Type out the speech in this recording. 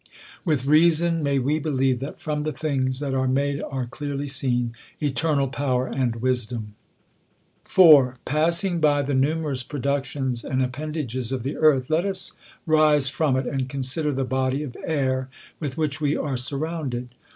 With reason may we believe, that from the things that are made are clearly seen eternal power and wisdom. 4. Passing by the numerous productions and appen dages of the earth, let us rise from it, and consider the body of air with wdiich we are suiToundcd.